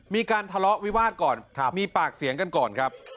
มีการทะเลาะวิวาสก่อนมีปากเสียงกันก่อนครับ